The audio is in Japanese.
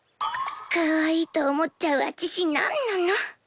かわいいと思っちゃうあちしなんなの？